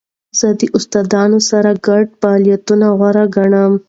زه د دوستانو سره ګډ فعالیتونه غوره ګڼم.